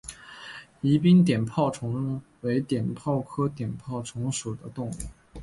宜宾碘泡虫为碘泡科碘泡虫属的动物。